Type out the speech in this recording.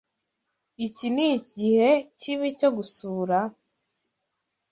Iki nikigihe kibi cyo gusura?